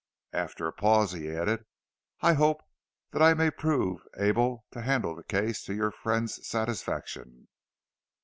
After a pause, he added, "I hope that I may prove able to handle the case to your friend's satisfaction."